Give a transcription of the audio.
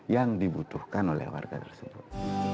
yang dibutuhkan oleh warga tersebut